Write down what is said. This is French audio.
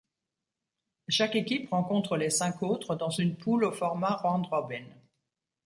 Chaque équipe rencontre les cinq autres dans une poule au format round robin.